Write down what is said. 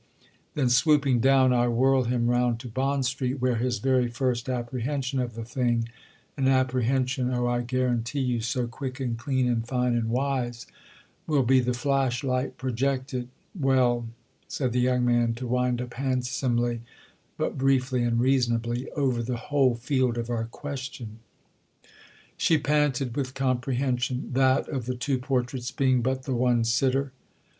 Then swooping down I whirl him round to Bond Street, where his very first apprehension of the thing (an apprehension, oh I guarantee you, so quick and clean and fine and wise) will be the flash light projected—well," said the young man, to wind up handsomely, but briefly and reasonably, "over the whole field of our question." She panted with comprehension. "That of the two portraits being but the one sitter!"